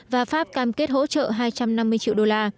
và pháp cam kết hỗ trợ hai trăm năm mươi triệu đô la